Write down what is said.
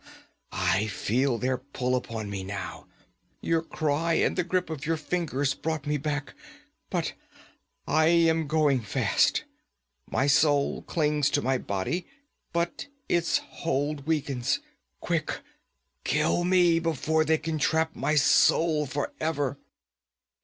I feel their pull upon me now! Your cry and the grip of your fingers brought me back, but I am going fast. My soul clings to my body, but its hold weakens. Quick kill me, before they can trap my soul for ever!'